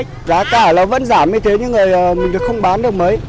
thịt lợn bán ra đã giảm đi khoảng sáu mươi